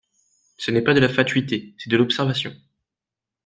Ce n’est pas de la fatuité, c’est de l’observation.